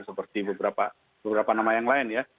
seperti beberapa nama yang lain ya